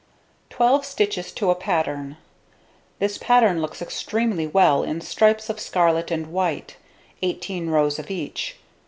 Twelve stitches to a pattern. This pattern looks extremely well in stripes of scarlet and white, 18 rows of each.